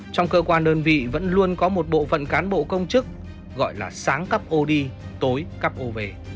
trong cơ quan đơn vị vẫn luôn có một bộ phận cán bộ công chức gọi là sáng cắp ô đi tối cắp ô về